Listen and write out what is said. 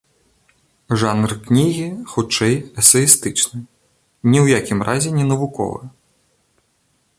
Жанр кнігі хутчэй эсэістычны, ні ў якім разе не навуковы.